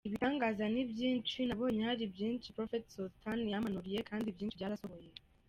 Ibitangaza ni byinshi nabonye, hari byinshi Prophet Sultan yampanuriye kandi byinshi byarasohoye.